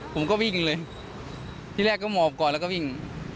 ผมก็วิ่งเลยที่แรกก็หมอบก่อนแล้วก็วิ่ง